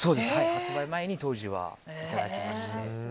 発売前に、当時はいただきまして。